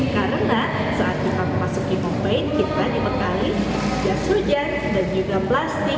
karena saat kita memasuki mopane kita dibekali jas hujan dan juga plastik